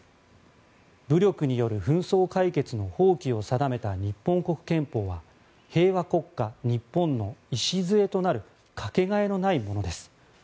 武力による紛争解決の放棄を定めた日本国憲法は平和国家日本の礎となるかけがえのないものです